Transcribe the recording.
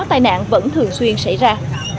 tai nạn vẫn thường xuyên xảy ra